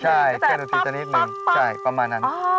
ใช่เครื่องดนตรีชนิดหนึ่งปั๊บปั๊บปั๊บใช่ประมาณนั้น